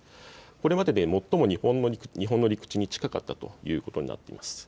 これまでで最も日本の陸地に近かったということになっています。